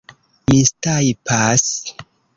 mistajpas